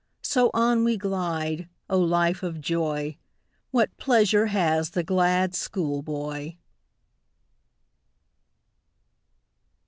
So on we glide O, life of joy; What pleasure has the glad school boy!